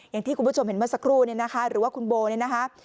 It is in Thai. อย่างที่คุณผู้ชมเห็นเมื่อสักครู่เนี่ยนะคะหรือว่าคุณโบเนี่ยนะคะ